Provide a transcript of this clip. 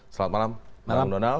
selamat malam malam donald